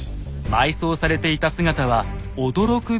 埋葬されていた姿は驚くべきものでした。